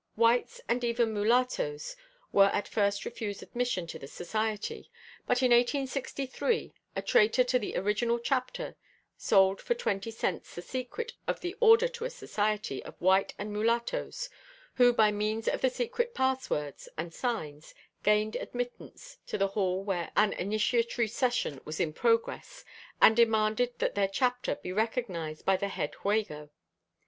Whites and even mulatoes were at first refused admission to the society, but in 1863 a traitor to the original chapter sold for twenty cents the secrets of the order to a society of white and mulatoes who by means of the secret pass words and signs gained admittance to the hall where an initiatory session was in progress and demanded that their chapter be recognized by the head Juego.